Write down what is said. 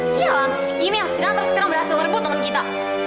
sialan sih kimi sama si natra sekarang berhasil ngerebut temen kita